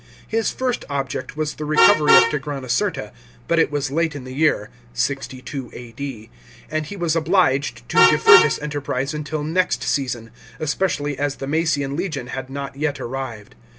His first object was the recovery of Tigrano certa, but it was late in the year (62 A.D.), and he was obliged to defer this enterprise until next season, especially as the Moesian legion had not yet arrived.